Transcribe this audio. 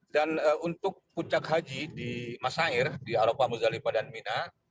dan untuk kucak haji di masair di aropah muzalipah dan mina